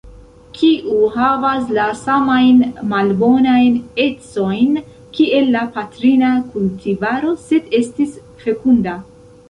Kiu havas la samajn malbonajn ecojn kiel la patrina kultivaro, sed estis fekunda.